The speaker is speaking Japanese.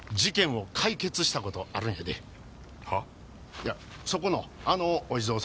いやそこのあのお地蔵さん。